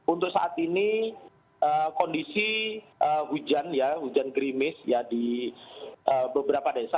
untuk saat ini kondisi hujan ya hujan gerimis ya di beberapa desa